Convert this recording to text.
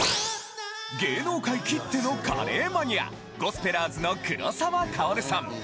芸能界きってのカレーマニアゴスペラーズの黒沢薫さん